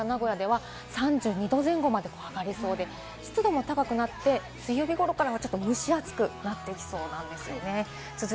水曜日から金曜日、大阪や名古屋では３２℃前後まで上がりそうで、湿度も高くなって、水曜日頃からはちょっと蒸し暑くなってきそうなんですね。